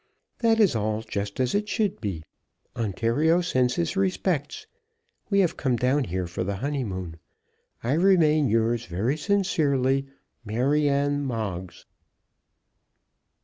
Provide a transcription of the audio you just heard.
That is all just as it should be. Ontario sends his respects. We have come down here for the honeymoon. I remain, yours very sincerely, MARYANNE MOGGS.